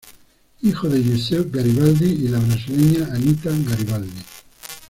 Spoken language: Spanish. Hijo de Giuseppe Garibaldi y la brasileña Anita Garibaldi.